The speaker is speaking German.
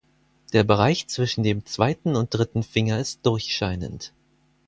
Der Bereich zwischen dem zweiten und dritten Finger ist durchscheinend.